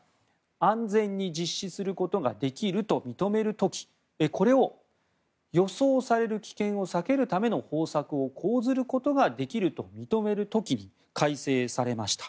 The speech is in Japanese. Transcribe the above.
安全に実施することができると認める時これを、予想される危険を避けるための方策を講ずることができると認める時に改正されました。